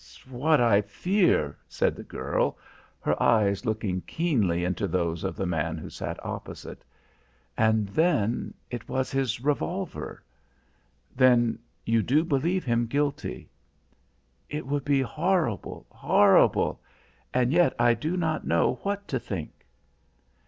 what I fear," said the girl, her eyes looking keenly into those of the man who sat opposite. "And then, it was his revolver." "Then you do believe him guilty?" "It would be horrible, horrible and yet I do not know what to think."